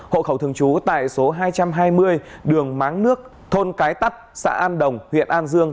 hộ khẩu thường trú tại số hai trăm hai mươi đường máng nước thôn cái tắt xã an đồng huyện an dương